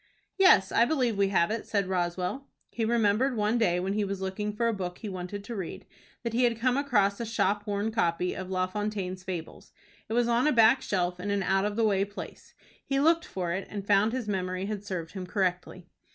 "Yes, I believe we have it," said Roswell. He remembered one day when he was looking for a book he wanted to read, that he had come across a shop worn copy of La Fontaine's Fables. It was on a back shelf, in an out of the way place. He looked for it, and found his memory had served him correctly.